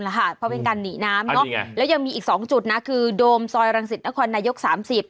เพราะเป็นการหนีน้ำแล้วยังมีอีก๒จุดนะคือโดมซอยรังสิตนครนายก๓๐